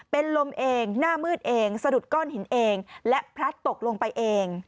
เป็นลมเองหน้ามืดเองสะดุดก้อนหินเองและพลัดตกลงไปเอง